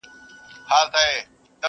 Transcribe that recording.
چي پر ستوني به یې زور وکړ یو نوکی٫